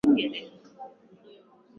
nakuombea upate muda wa kutembelea isimila